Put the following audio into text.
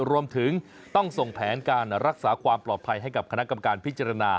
รวมถึงต้องส่งแผนการรักษาความปลอดภัยให้กับคณะกรรมการพิจารณา